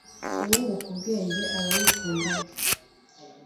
Uwunguka ubwenge aba yikunda ubwe